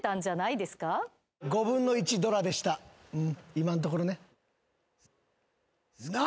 今んところね。